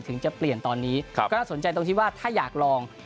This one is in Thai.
ถึงจะเปลี่ยนตอนนี้ก็น่าสนใจตรงที่ว่าถ้าอยากลอง